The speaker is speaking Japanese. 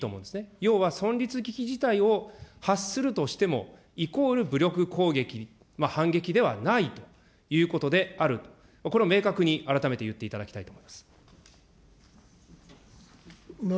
要は存立危機事態を発するとしても、イコール武力攻撃、反撃ではないということである、これを明確に改めて言っていただきたいと思います。